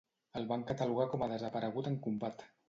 El van catalogar com a desaparegut en combat.